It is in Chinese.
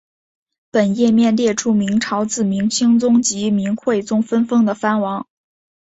本页面列出明朝自明兴宗及明惠宗分封的藩王。